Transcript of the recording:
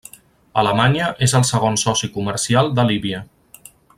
Alemanya és el segon soci comercial de Líbia.